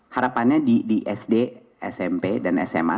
harapannya di sd smp dan sma